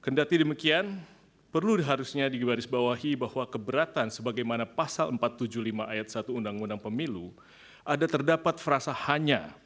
kendati demikian perlu harusnya digarisbawahi bahwa keberatan sebagaimana pasal empat ratus tujuh puluh lima ayat satu undang undang pemilu ada terdapat frasa hanya